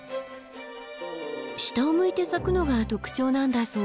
下を向いて咲くのが特徴なんだそう。